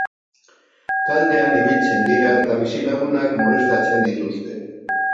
Taldean ibiltzen dira eta bizilagunak molestatzen dituzte.